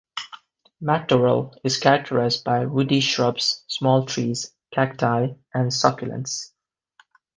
Matorral is characterized by woody shrubs, small trees, cacti, and succulents.